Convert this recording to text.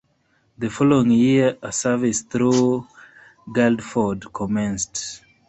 The following year, a service through Guildford commenced.